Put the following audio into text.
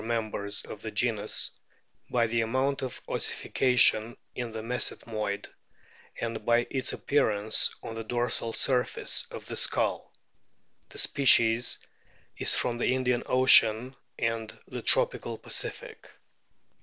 DOLPHINS 265 members of the genus by the amount of ossification in the mesethmoid, and by its appearance on the dorsal surface of the skull. The species is from the Indian Ocean and the tropical Pacific.